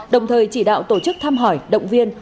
đồng thời chỉ đạo tổ chức thăm hỏi động viên